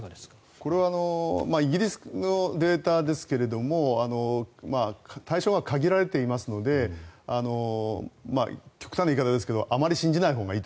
これはイギリスのデータですが対象は限られていますので極端な言い方ですけどあまり信じないほうがいい。